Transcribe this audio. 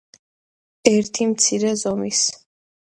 ერთი მცირე ზომის.